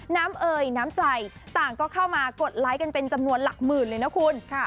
เอ่ยน้ำใจต่างก็เข้ามากดไลค์กันเป็นจำนวนหลักหมื่นเลยนะคุณ